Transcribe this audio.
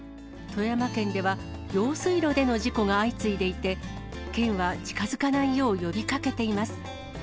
富山県では、用水路での事故が相次いでいて、県は近づかないよう呼びかけています。